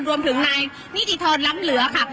รวมถึงนายนิติธรรมล้ำเหลือค่ะ